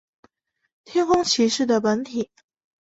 天空骑士的本体。